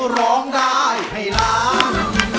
ก็ร้องได้ให้ร้าง